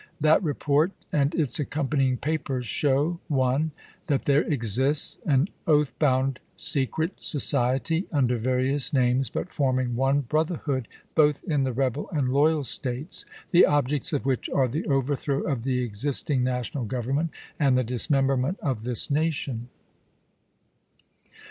" That report and its accompanying papers show, " 1. That there exists an oath bound secret society, under various names, but forming one brotherhood both in the rebel and loyal States, the objects of 12 ABRAHAM LINCOLN Chap. I. wliich are the overthrow of the existing national Grovernment and the dismemberment of this nation.